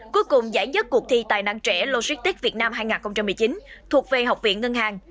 cuối cùng giải nhất cuộc thi tài năng trẻ logistics việt nam hai nghìn một mươi chín thuộc về học viện ngân hàng